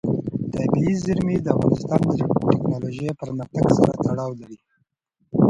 طبیعي زیرمې د افغانستان د تکنالوژۍ پرمختګ سره تړاو لري.